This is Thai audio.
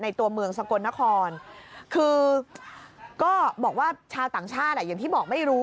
ตัวเมืองสกลนครคือก็บอกว่าชาวต่างชาติอ่ะอย่างที่บอกไม่รู้